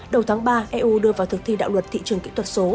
đầu tháng ba eu đưa vào thực thi đạo luật thị trường kỹ thuật số